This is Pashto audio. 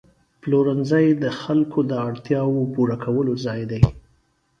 پلورنځی د خلکو د اړتیاوو پوره کولو ځای دی.